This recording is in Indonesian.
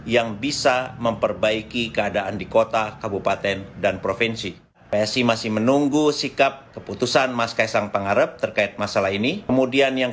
yang bisa memperbaiki kesehatan